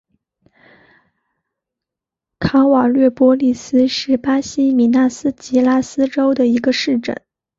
卡瓦略波利斯是巴西米纳斯吉拉斯州的一个市镇。